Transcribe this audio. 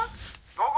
☎どこ？